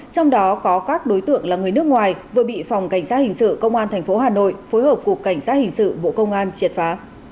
trong đó có các đối tượng là người nước ngoài vừa bị phòng cảnh sát hình sự công an tp hà nội phối hợp cục cảnh sát hình sự bộ công an triệt phá